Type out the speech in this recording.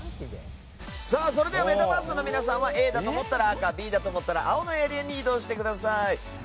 それではメタバースの皆さんはＡだと思ったら赤Ｂだと思ったら青のエリアに移動してください。